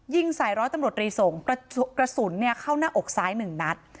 ยิงใส่ร้อยตำรวจรีสงฆ์กระสุนเข้าหน้าอกซ้ายหนึ่งนัด